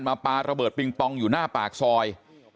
ปลาระเบิดปิงปองอยู่หน้าปากซอย